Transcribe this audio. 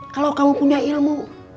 kalau kamu punya ilmu